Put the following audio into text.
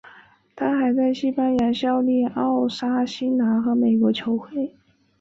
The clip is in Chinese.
他还在西班牙效力奥沙辛拿和美国球会。